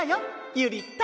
ゆりたん！